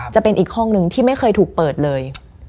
จะเป็นอีกห้องหนึ่งที่ไม่เคยถูกเปิดเลย